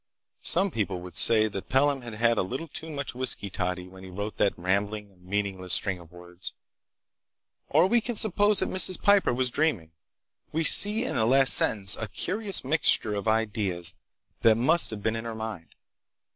Some people would say that Pelham had had a little too much whisky toddy when he wrote that rambling, meaningless string of words. Or we can suppose that Mrs. Piper was dreaming. We see in the last sentence a curious mixture of ideas that must have been in her mind.